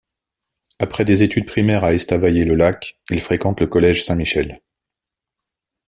Après des études primaires à Estavayer-le-Lac, il fréquente le Collège Saint-Michel.